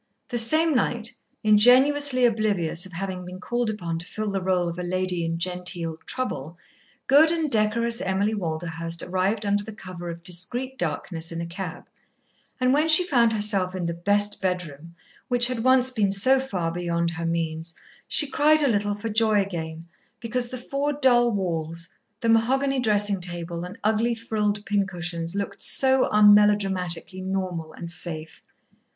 The same night, ingenuously oblivious of having been called upon to fill the role of a lady in genteel "trouble," good and decorous Emily Walderhurst arrived under the cover of discreet darkness in a cab, and when she found herself in the "best bedroom," which had once been so far beyond her means, she cried a little for joy again, because the four dull walls, the mahogany dressing table, and ugly frilled pincushions looked so unmelodramatically normal and safe.